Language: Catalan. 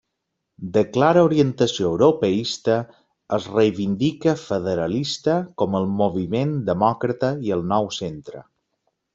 De clara orientació europeista, es reivindica federalista com el Moviment Demòcrata i el Nou Centre.